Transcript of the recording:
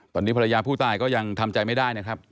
ตอนนี้ภรรยาผู้ตายก็ยังทำใจไม่ได้นะครับ